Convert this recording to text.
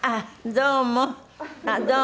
どうも。